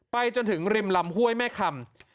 ไปจนถึงริมลำห้วยแม่คำ